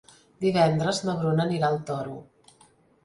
Divendres na Bruna anirà al Toro.